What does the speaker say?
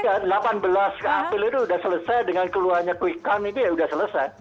delapan belas ke apil itu sudah selesai dengan keluhannya quick calm itu ya sudah selesai